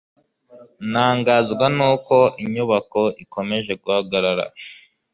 ntangazwa nuko inyubako ikomeje guhagarara